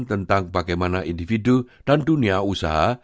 tentang bagaimana individu dan dunia usaha